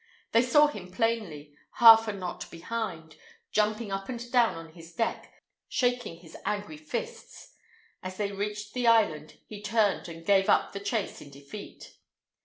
They saw him plainly, half a knot behind, jumping up and down on his deck, shaking his angry fists. As they reached the island he turned and gave up the chase in defeat.